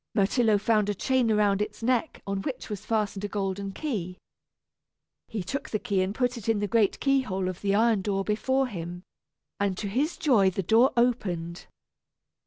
Myrtillo found a chain around its neck on which was fastened a golden key. He took the key and put it in the great key hole of the iron door before him, and to his joy the door opened.